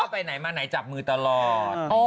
พี่ก็บ้าจับมือตลอด